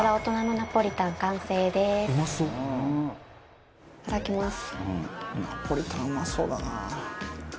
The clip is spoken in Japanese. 「ナポリタンうまそうだな」